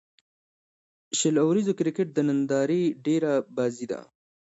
شل اووريز کرکټ د نندارې ډېره بازي ده.